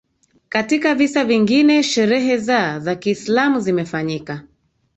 Katika visa vingine sherehe za za Kiislamu zimefanyika